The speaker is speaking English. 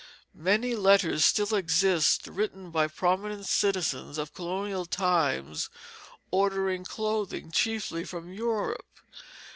Many letters still exist written by prominent citizens of colonial times ordering clothing, chiefly from Europe.